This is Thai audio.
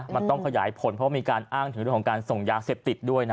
มันต้องขยายผลเพราะมีการอ้างถึงเรื่องของการส่งยาเสพติดด้วยนะ